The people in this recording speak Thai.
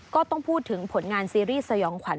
ก็ต้องพูดถึงผลงานซีรีส์สยองขวัญ